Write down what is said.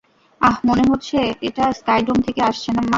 আহ, মনে হচ্ছে এটা স্কাইডোম থেকে আসছে, মা।